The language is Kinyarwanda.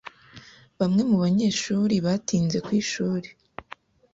Bamwe mu banyeshuri batinze ku ishuri.